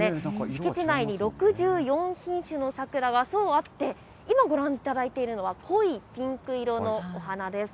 敷地内に６４品種の桜があって、今ご覧いただいているのは、濃いピンク色のお花です。